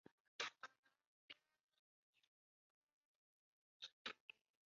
高获师事司徒欧阳歙。